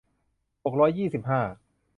หกร้อยยี่สิบห้า